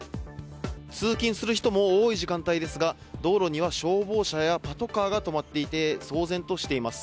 通勤する人も多い時間帯ですが道路には消防車やパトカーが止まっていて騒然としています。